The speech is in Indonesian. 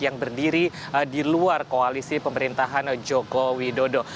yang berdiri di luar koalisi pemerintahan jokowi dodo